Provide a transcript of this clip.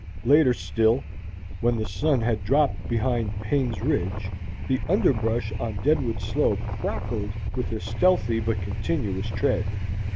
Later still, when the sun had dropped behind Payne's Ridge, the underbrush on Deadwood Slope crackled with a stealthy but continuous tread.